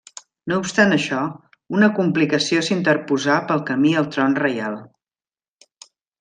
No obstant això, una complicació s'interposà pel camí al tron reial.